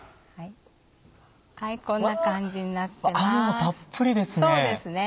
はいこんな感じになってます。